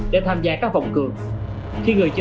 để tham gia các vòng cường